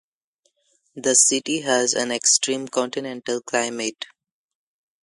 The city has an extreme continental climate.